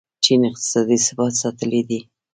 چین اقتصادي ثبات ساتلی دی.